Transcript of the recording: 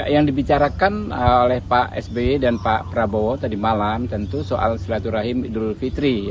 yang dibicarakan oleh pak sby dan pak prabowo tadi malam tentu soal silaturahim idul fitri